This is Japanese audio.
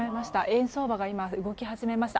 円相場が動き始めました。